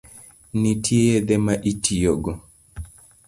Nitie yedhe ma itiyogo?